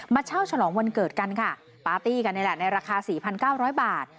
เช่าฉลองวันเกิดกันค่ะปาร์ตี้กันนี่แหละในราคา๔๙๐๐บาท